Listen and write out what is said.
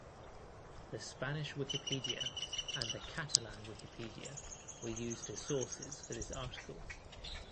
The Spanish Wikipedia and the Catalan Wikipedia were used as sources for this article.